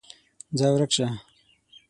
ځه ورک شه!